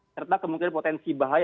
serta kemungkinan potensi bahaya